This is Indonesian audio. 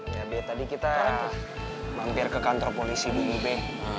ya be tadi kita mampir ke kantor polisi dulu be